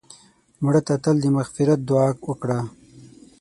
مړه ته تل د مغفرت دعا وکړه